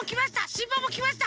しんぱんもきました。